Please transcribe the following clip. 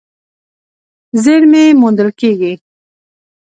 زېرمې موندل کېږي.